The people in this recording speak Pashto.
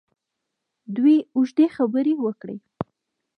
دوی اوږدې خبرې وکړې.